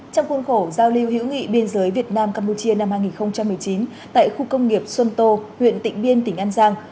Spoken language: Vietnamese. trong khuôn khổ giao lưu hữu nghị biên giới việt nam campuchia năm hai nghìn một mươi chín tại khu công nghiệp xuân tô huyện tịnh biên tỉnh an giang